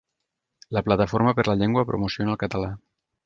La Plataforma per la Llengua promociona el català